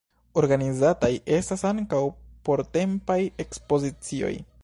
Organizataj estas ankaŭ portempaj ekspozicioj.